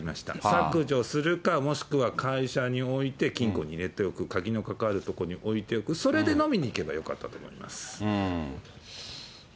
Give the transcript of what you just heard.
削除するか、もしくは会社に置いて金庫に入れておく、鍵のかかる所に置いておく、それで飲みに行けばよかったと思います。